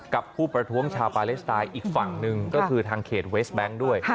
กับผู้ประท้วงชาวปาเลสไตน์อีกฝั่งหนึ่งก็คือทางเขตเวสแบงค์ด้วย